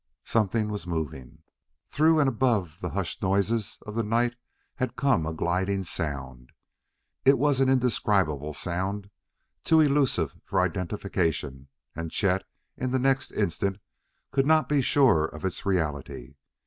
Something was moving! Through and above the hushed noises of the night had come a gliding sound. It was an indescribable sound, too elusive for identification; and Chet, in the next instant, could not be sure of its reality.